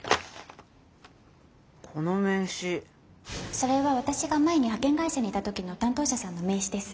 それは私が前に派遣会社にいた時の担当者さんの名刺です。